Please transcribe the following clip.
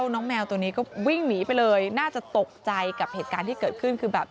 แมวตัวนี้ก็วิ่งหนีไปเลยน่าจะตกใจกับเหตุการณ์ที่เกิดขึ้นคือแบบ